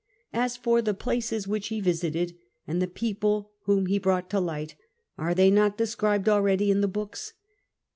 As for the places which he visited, and the people whom he brought to light, are they not described already in the books?